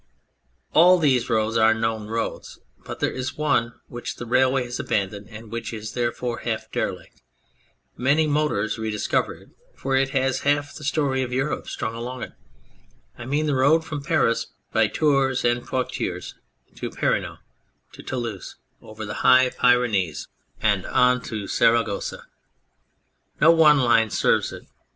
All these roads are known roads, but there is one which the railway has abandoned and which is there fore half derelict ; many motors rediscover it, for it has half the story of Europe strung along it I mean the road from Paris by Tours and Poictiers to Perigueux, to Toulouse, over the High Pyrenees and 133 On Anything on to Saragossa. No one line serves it.